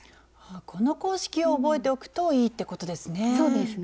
この公式を覚えておくといいってことですね。